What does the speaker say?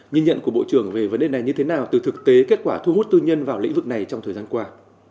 nhìn nhận của bộ trưởng về vấn đề này như thế nào từ thực tế kết quả thu hút tư nhân vào lĩnh vực này trong thời gian qua